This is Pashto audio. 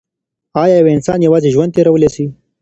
ایا یو انسان یوازي ژوند تیرولای سي؟